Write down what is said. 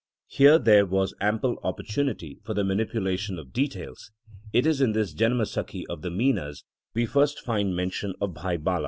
Here there was ample opportunity for the manipulation of details. It is in this Janamsakhi of the Minas we first find mention of Bhai Bala.